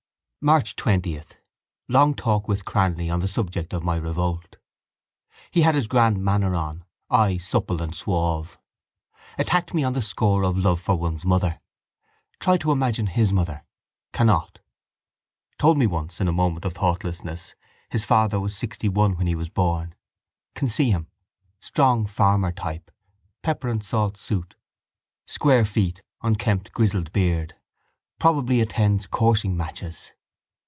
March 20. Long talk with Cranly on the subject of my revolt. He had his grand manner on. I supple and suave. Attacked me on the score of love for one's mother. Tried to imagine his mother: cannot. Told me once, in a moment of thoughtlessness, his father was sixtyone when he was born. Can see him. Strong farmer type. Pepper and salt suit. Square feet. Unkempt, grizzled beard. Probably attends coursing matches.